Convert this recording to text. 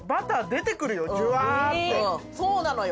そうなのよ。